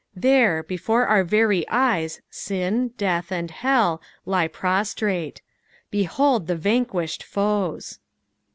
There 1 before our very eyes sin, death, and hell, lie prostrate Behold the vanquished foes